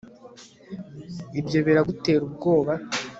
Ibyo biragutera ubwoba